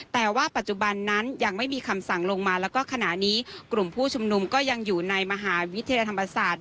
แต่ว่าปัจจุบันนั้นยังไม่มีคำสั่งลงมาแล้วก็ขณะนี้กลุ่มผู้ชุมนุมก็ยังอยู่ในมหาวิทยาลัยธรรมศาสตร์